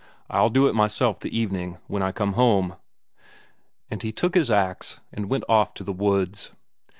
I'll do it myself the evening, when I come home." And he took his ax and went off to the woods.